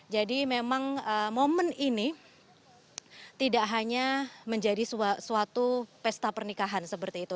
jadi memang momen ini tidak hanya menjadi suatu pesta pernikahan seperti itu